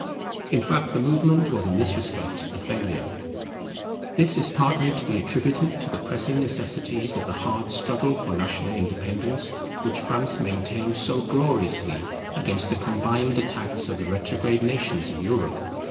In fact the movement was in this respect a failure. This is partly to be attributed to the pressing necessities of the hard struggle for national independence which France maintained so gloriously against the combined attacks of the retrograde nations of Europe.